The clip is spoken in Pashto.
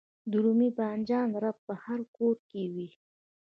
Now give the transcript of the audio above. د رومي بانجان رب په هر کور کې وي.